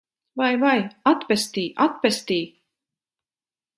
Vai, vai! Atpestī! Atpestī!